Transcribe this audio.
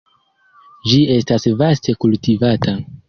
Ĝi estas vaste kultivata.